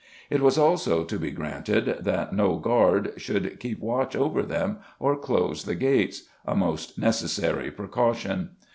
It was also "to be granted that no guard should keep watch over them, or close the gates" a most necessary precaution.